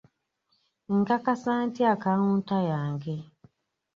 Nkakasa ntya akawunta yange?